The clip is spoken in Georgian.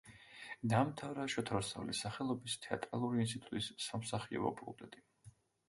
დაამთავრა შოთა რუსთაველის სახელობის თეატრალური ინსტიტუტის სამსახიობო ფაკულტეტი.